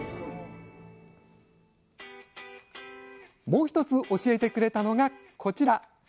もう一つ教えてくれたのがこちら！